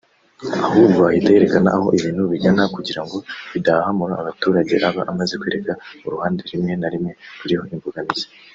Ahubwo ahita yerekana aho ibintu bigana kugirango bidahahamura abaturage aba amaze kwereka uruhande rimwe na rimwe ruriho imbogamizi